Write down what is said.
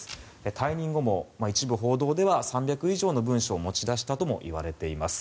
退任後も一部報道では３００部以上の文書を持ち出したともいわれています。